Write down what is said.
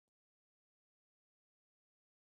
د پلوتونیم تر ټولو زهرجن عنصر دی.